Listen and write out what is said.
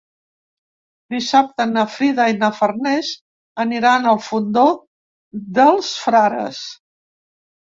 Dissabte na Frida i na Farners aniran al Fondó dels Frares.